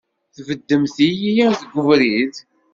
Tbeddemt-iyi deg ubrid!